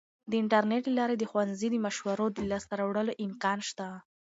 د انټرنیټ له لارې د ښوونځي د مشورو د لاسته راوړلو امکان شته.